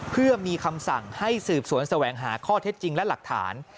เพื่อมีคำสั่งให้สืบสวนแสวงหาข้อเท็จจริงและหลักฐาน